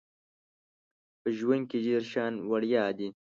په ژوند کې ډیر شیان وړيا دي